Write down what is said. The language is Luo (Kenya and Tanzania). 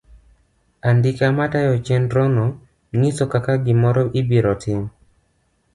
Andika matayo chenrno ng'iso kaka gi moro ibiro tim.